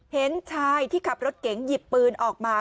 เห็นชายที่ขับรถเก๋งหยิบปืนออกมา